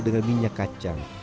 dengan minyak kacang